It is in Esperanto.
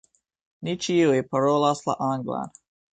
Ni ĉiuj parolas la anglan.